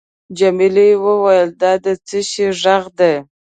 جميلې وويل:: دا د څه شي ږغ دی؟